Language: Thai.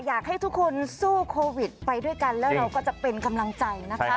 อยากให้ทุกคนสู้โควิดไปด้วยกันแล้วเราก็จะเป็นกำลังใจนะคะ